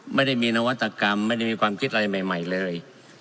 ไม่ได้มีนวัตกรรมไม่ได้มีความคิดอะไรใหม่เลย